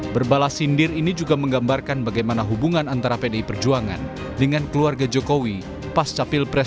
berbalas sindir ini juga menggambarkan bagaimana hubungan antara pdi perjuangan dengan keluarga jokowi pasca pilpres dua ribu sembilan belas